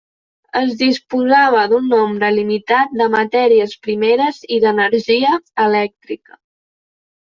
Es disposava d'un nombre limitat de matèries primeres i d'energia elèctrica.